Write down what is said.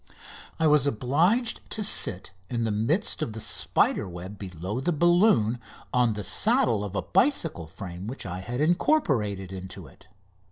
I was obliged to sit in the midst of the spider web below the balloon on the saddle of a bicycle frame which I had incorporated into it.